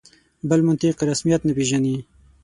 بل منطق رسمیت نه پېژني.